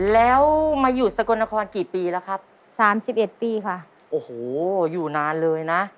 แล้วมาอยู่สกลนครกี่ปีแล้วครับสามสิบเอ็ดปีค่ะโอ้โหอยู่นานเลยนะ